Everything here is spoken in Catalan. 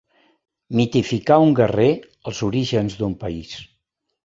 Mitificar un guerrer, els orígens d'un país.